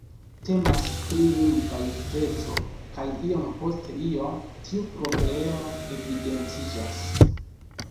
Temas pri lingva justeco kaj iom post iom tiu problemo evidentiĝas.